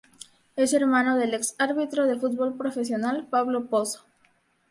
Es hermano del ex arbitro de fútbol profesional Pablo Pozo.